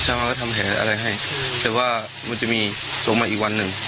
ช่วงนั้นก็ทำอะไรให้แต่ว่ามันจะมีส่งมาอีกวันหนึ่ง